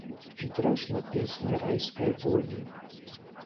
Дружна песні райскай волі!